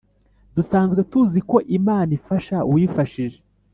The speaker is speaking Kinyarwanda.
dusanzwe tuzi ko imana ifasha uwifashije